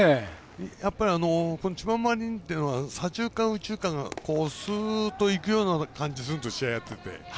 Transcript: やっぱり千葉マリンっていうのは左中間、右中間がすーっといくような感じがするんです試合をやってて。